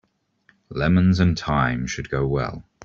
Lemons and thyme should go well.